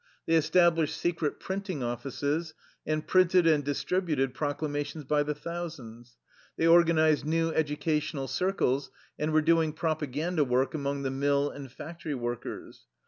They established secret printing offices, and printed and distributed proclamations by the thousands. They organized new educa tional circles, and were doing propaganda work among the mill and factory workers.